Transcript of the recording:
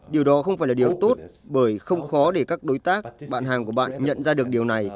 điều đó không phải là điều tốt bởi không khó để các đối tác bạn hàng của bạn nhận ra được điều này